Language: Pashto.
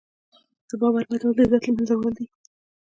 د باور ماتول د عزت له منځه وړل دي.